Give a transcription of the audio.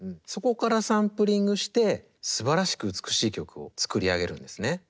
そこからサンプリングしてすばらしく美しい曲を作り上げるんですね。